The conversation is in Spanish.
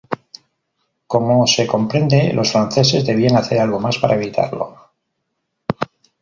Como se comprende, los franceses debían hacer algo para evitarlo.